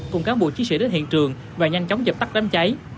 cùng cán bộ chiến sĩ đến hiện trường và nhanh chóng dập tắt đám cháy